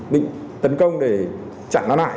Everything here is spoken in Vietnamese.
định tấn công để chặn nó lại